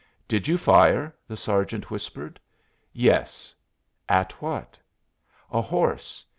"Did you fire?" the sergeant whispered. "Yes." "At what?" "A horse.